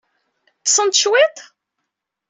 Ḍḍsent cwiṭ?